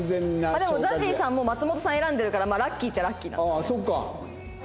でもＺＡＺＹさんも松本さん選んでるからラッキーっちゃラッキーなんですね。